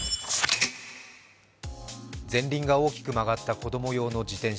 前輪が大きく曲がった子供用の自転車。